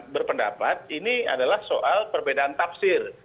berpendapat ini adalah soal perbedaan tafsir